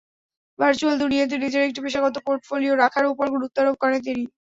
Virtual দুনিয়াতে নিজের একটি পেশাগত পোর্টফলিও রাখার ওপর গুরুত্বারোপ করেন তিনি।